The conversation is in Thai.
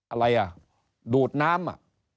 อะไรอ่ะดูดน้ำ